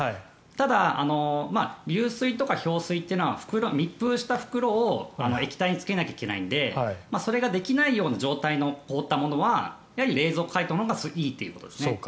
ただ、流水とか氷水というのは密封した袋を液体につけないといけないのでそれができないような状態の凍ったものはやはり冷蔵解凍のほうがいいということですね。